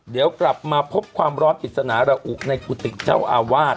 เดี๋ยวกลับมาพบความร้อนปริศนาระอุในกุฏิเจ้าอาวาส